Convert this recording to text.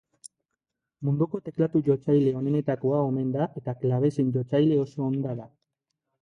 Munduko teklatu jotzaile onenetakoa omen da eta klabezin jotzaile oso onda da.